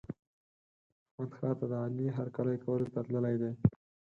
احمد ښار ته د علي هرکلي کولو ته تللی دی.